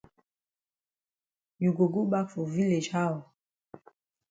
You go go bak for village how?